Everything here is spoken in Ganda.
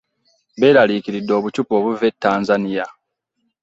Beerarikiridde obuchupa obuva e Tanzania .